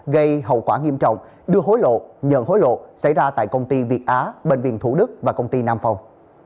gây hậu quả nghiêm trọng đưa hối lộ nhận hối lộ xảy ra tại công ty việt á bệnh viện thủ đức và công ty nam phòng